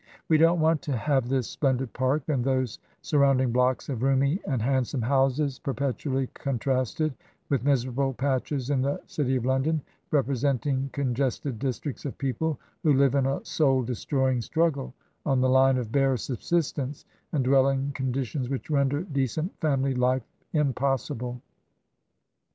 We don't want to have this splendid Park and those sur rounding blocks of roomy and handsome houses per TRANSITION, i8i petually contrasted with miserable patches in the City of London, representing congested districts of people who live in a soul destroying struggle on the line of bare subsistence, and dwell in conditions which render decent family life impossible.